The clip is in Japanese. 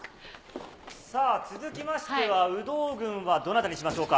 続きましては、有働軍はどなたにしましょうか。